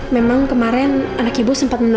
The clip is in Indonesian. memang kemaren anak ibu sempat menangis